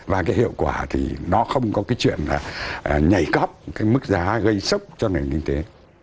và cái hiệu quả thì nó không có cái chuyện là nhảy cóc cái mức giá gây sốc cho nền kinh tế